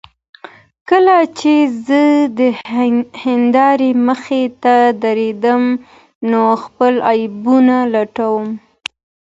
کله چې زه د هندارې مخې ته درېږم نو خپل عیبونه لټوم.